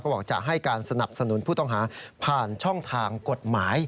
บอกจะให้การสนับสนุนผู้ต้องหาผ่านช่องทางกฎหมาย